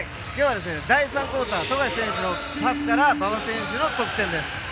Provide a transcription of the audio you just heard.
第３クオーター、富樫選手のパスから馬場選手の得点です。